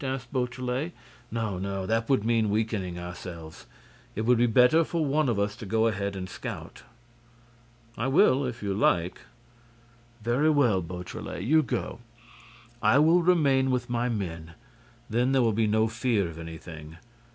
asked Beautrelet. "No, no—that would mean weakening ourselves. It would be better for one of us to go ahead and scout." "I will, if you like—" "Very well, Beautrelet, you go. I will remain with my men—then there will be no fear of anything.